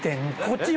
こっち